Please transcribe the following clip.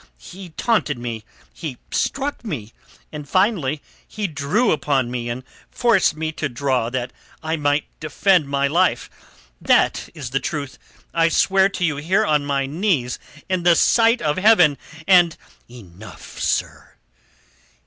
He taunted me; he struck me, and finally he drew upon me and forced me to draw that I might defend my life. That is the truth. I swear to you here on my knees in the sight of Heaven! And...." "Enough, sir!